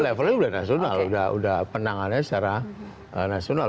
levelnya sudah nasional sudah penanganannya secara nasional